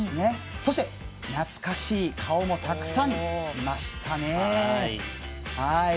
そして、懐かしい顔もたくさんいましたね。